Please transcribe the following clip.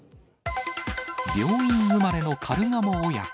病院生まれのカルガモ親子、